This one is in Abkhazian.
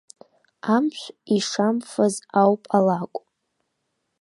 Амшә ишамфаз ауп алакә!